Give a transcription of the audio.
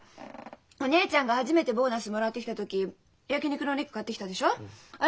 お姉ちゃんが初めてボーナスもらってきた時焼き肉のお肉買ってきたでしょ？